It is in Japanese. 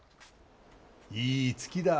いい月だ。